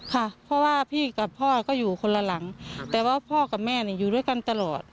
ค่ะเพราะว่าพี่กับพ่อก็อยู่คนละหลังแต่ว่าพ่อกับแม่เนี่ยอยู่ด้วยกันตลอด